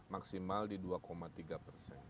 maksimal di dua tiga persen